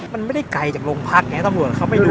มันไม่ได้ไกลจากโลงพลักษณ์ไงต้องหลวกเขาไปด้วย